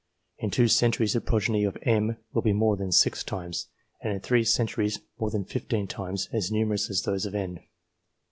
In two centuries the progeny of M will be more than 6 times, and in three centuries more than 15 times, as numerous as those of N.